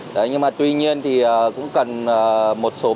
đấy nhưng mà tuy nhiên thì cũng cần một số bình thường